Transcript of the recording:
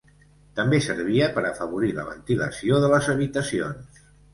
També servia per afavorir la ventilació de les habitacions.